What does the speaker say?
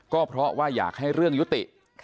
ก็เพราะว่าอยากให้เรื่องยุติ